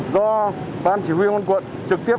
do ban chỉ huy quân quận trực tiếp